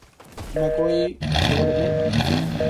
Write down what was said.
نہ کوئی ڈویلپمنٹ۔